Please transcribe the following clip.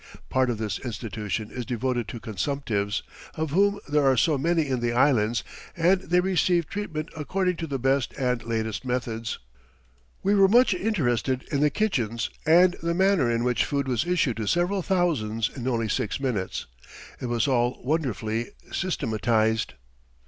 Part of this institution is devoted to consumptives, of whom there are so many in the Islands, and they receive treatment according to the best and latest methods. [Illustration: PENAL COLONY ON THE ISLAND OF PALAWAN.] We were much interested in the kitchens, and the manner in which food was issued to several thousands in only six minutes. It was all wonderfully systematized.